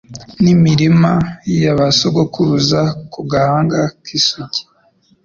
N'imirima ya ba sogokuruza ku gahanga k'isugi